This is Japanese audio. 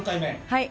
はい。